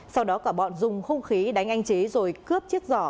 sau đó cả bọn dùng không khí đánh anh trí rồi cướp chiếc giỏ